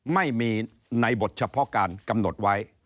ไม่มีในบทเฉพาะการกำหนดไว้